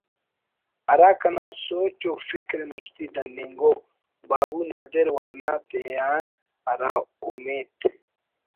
ہرا کناسوچ و فکرءِ مستی دننگ ءُ “ با بو نادرؔ ورنا تیان ہرا اومیت